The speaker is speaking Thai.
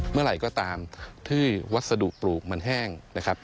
เมื่อไหร่ก็ตามที่วัสดุปลูกมันแห้งนะครับ